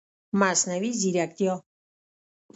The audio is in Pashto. مصنوعي ځرکتیا